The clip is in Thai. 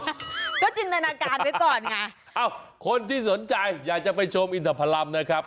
อ่ะก็จินตนาการไว้ก่อนไงเอ้าคนที่สนใจอยากจะไปชมอินทพรรมนะครับ